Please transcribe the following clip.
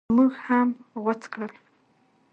موږ هم غوڅ کړل.